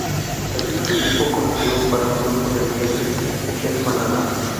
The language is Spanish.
El sustantivo colectivo para un grupo de liebres es "manada".